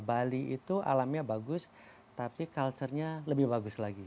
bali itu alamnya bagus tapi culturenya lebih bagus lagi